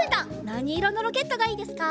なにいろのロケットがいいですか？